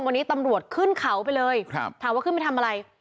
วันนี้ตำรวจขึ้นเขาไปเลยครับถามว่าขึ้นไปทำอะไร